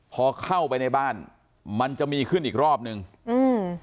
พอเข้าไปในบ้านมันจะมีขึ้นอีกรอบหนึ่งอืม